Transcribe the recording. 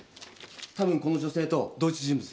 たぶんこの女性と同一人物です。